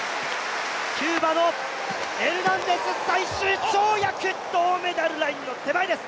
キューバのエルナンデス最終跳躍、銅メダルラインの手前です。